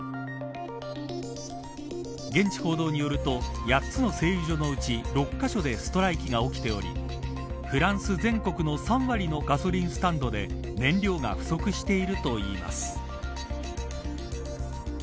現地報道によると８つの製油所のうち６カ所でストライキが起きておりフランス全国の３割のガソリンスタンドで燃料が不足しているといいます。